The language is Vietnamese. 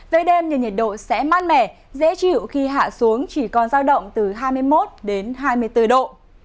về đêm nhiệt độ sẽ mát mẻ dễ chịu khi hạ xuống chỉ còn giao động từ hai mươi một đến hai mươi bốn độ